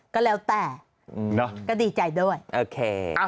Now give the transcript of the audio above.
ก็แล้วแต่ก็ดีใจด้วยโอเค